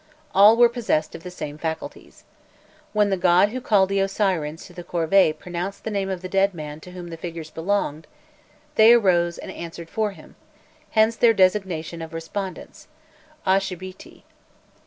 All were possessed of the same faculties. When the god who called the Osirians to the corvée pronounced the name of the dead man to whom the figures belonged, they arose and answered for him; hence their designation of "Respondents " Ûashbîti.